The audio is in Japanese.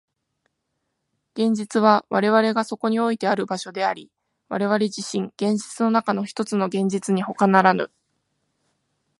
現実は我々がそこにおいてある場所であり、我々自身、現実の中のひとつの現実にほかならぬ。